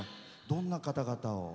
どんな方々を？